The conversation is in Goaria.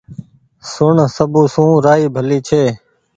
سڻ سب سون رآئي ڀلي ڇي